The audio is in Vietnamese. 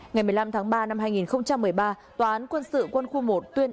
ngày một mươi năm tháng ba năm hai nghìn một mươi ba tòa án quân sự quân khu một tuyên bố